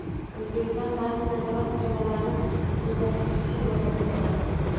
Oʻzbekiston baʼzi nazorat qoidalarini oʻzgartirishi lozim boʻladi.